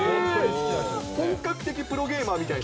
本格的プロゲーマーみたいな。